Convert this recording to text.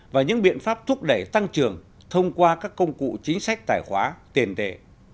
và những biện pháp thúc đẩy tăng trưởng thông qua các công cụ chính sách tài khoá tiền tệ